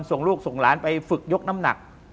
ส่งลูกส่งหลานไปฝึกยกน้ำหนัก